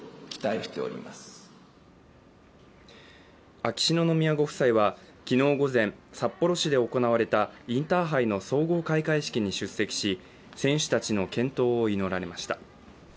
秋篠宮ご夫妻は昨日午前、札幌市で行われたインターハイの総合開会式に出席し選手たちの健闘を祈られました。